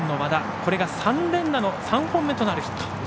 これが３本目となるヒット。